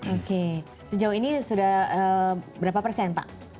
oke sejauh ini sudah berapa persen pak